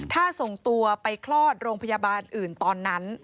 ถ้าส่งตัวไปคลอดโรงพยาบาลอื่นตอนนั้น